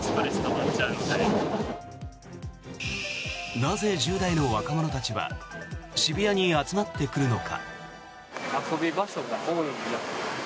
なぜ１０代の若者たちは渋谷に集まってくるのか。